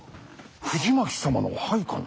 藤巻様の配下の。